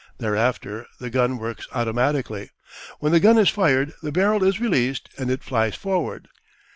Thereafter the gun works automatically. When the gun is fired the barrel is released and it flies forward.